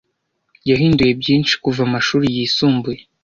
Yahinduye byinshi kuva amashuri yisumbuye.